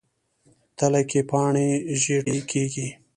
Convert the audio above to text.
تله کې پاڼې ژیړي کیږي.